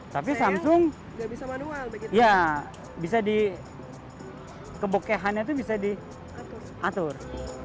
tapi samsung bisa di kebokehannya itu bisa diatur